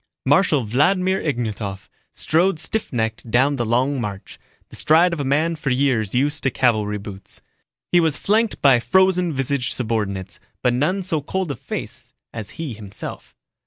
Marshal Vladimir Ignatov strode stiff kneed down the long march, the stride of a man for years used to cavalry boots. He was flanked by frozen visaged subordinates, but none so cold of face as he himself.